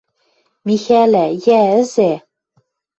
Михӓлӓ!.. Йӓ, ӹзӓ...